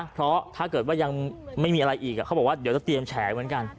เพราะถ้าเกิดว่ายังไม่มีอะไรอีกเขาบอกว่าเดี๋ยวจะเตรียมแฉเหมือนกัน